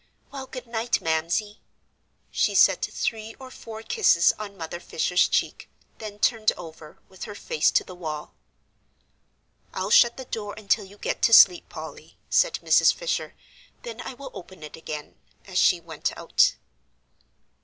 "Well, good night, Mamsie." She set three or four kisses on Mother Fisher's cheek, then turned over, with her face to the wall. "I'll shut the door until you get to sleep, Polly," said Mrs. Fisher, "then I will open it again," as she went out.